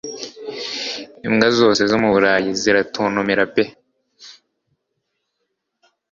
Imbwa zose zo mu Burayi ziratontomera pe